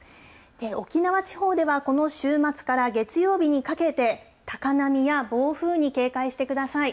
沖縄地方では、この週末から月曜日にかけて、高波や暴風に警戒してください。